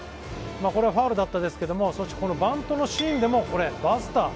これはファウルでしたけど、バントのシーンでもバスター。